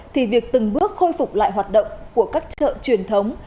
thì việc từng bước khôi phục lại hoạt động của các chợ truyền thống